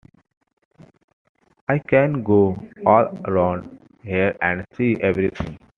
I can go all round here and see everything.